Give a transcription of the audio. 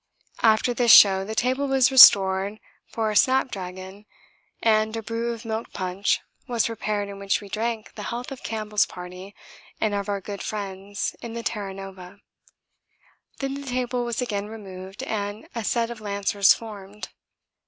After this show the table was restored for snapdragon, and a brew of milk punch was prepared in which we drank the health of Campbell's party and of our good friends in the Terra Nova. Then the table was again removed and a set of lancers formed.